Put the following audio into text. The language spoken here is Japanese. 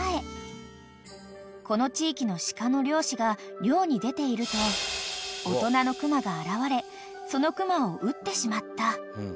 ［この地域の鹿の猟師が猟に出ていると大人のクマが現れそのクマを撃ってしまった］